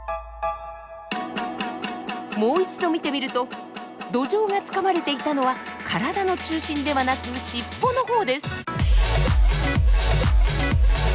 もう一度見てみるとドジョウがつかまれていたのは体の中心ではなく尻尾のほうです。